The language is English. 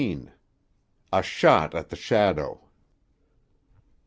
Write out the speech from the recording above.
A SHOT AT THE SHADOW.